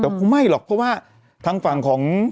แต่คงไม่หรอกเพราะว่าทางฝั่งของ